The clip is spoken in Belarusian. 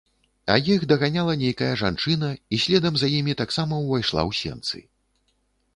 А іх даганяла нейкая жанчына і следам за імі таксама ўвайшла ў сенцы.